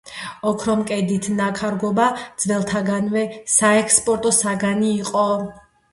ოქრომკედით ნაქარგობა ძველთაგანვე საექსპორტო საგანი იყო.